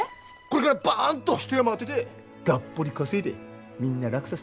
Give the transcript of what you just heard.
これからバンと一山当ててがっぽり稼いでみんな楽させてやるから。